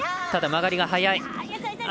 ただ、曲がりが早い。